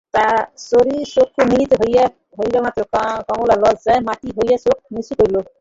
চারি চক্ষু মিলিত হইবামাত্র কমলা লজ্জায় মাটি হইয়া চোখ নিচু করিল।